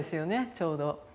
ちょうど。